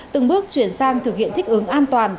từng bước chuyển sang thực hiện thích ứng an toàn